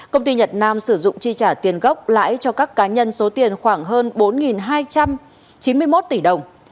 công ty nhật nam sử dụng chi trả tiền gốc lãi cho các cá nhân số tiền khoảng hơn bốn hai trăm chín mươi một tỷ đồng